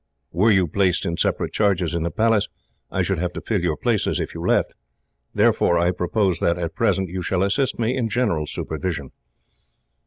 Were you placed in separate charges in the Palace, I should have to fill your places if you left. Therefore I propose that, at present, you shall assist me in general supervision.